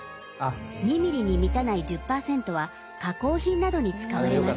２ミリに満たない１０％は加工品などに使われます。